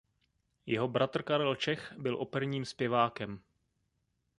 Jeho bratr Karel Čech byl operním zpěvákem.